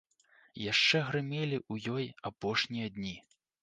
Яшчэ грымелі ў ёй апошнія дні.